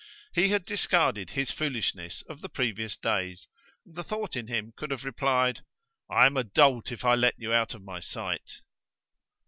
He had discarded his foolishness of the previous days, and the thought in him could have replied: "I am a dolt if I let you out of my sight."